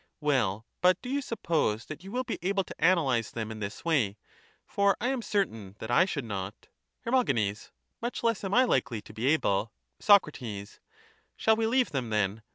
Well, but do you suppose that you will be able to analyse them in this way? for I am certain that I should not. Her. Much less am 1 likely to be able. Soc. Shall we leave them, then?